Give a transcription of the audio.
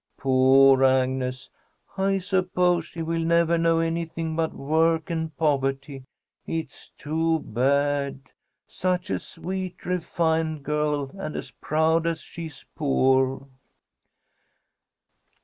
Poor Agnes! I suppose she will never know anything but work and poverty. It's too bad, such a sweet, refined girl, and as proud as she is poor."